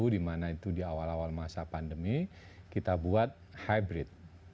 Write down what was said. dua ribu dua puluh di mana itu di awal awal masa pandemi kita buat hybrid